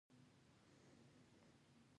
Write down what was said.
پر هر هغه څه ملنډې وهي.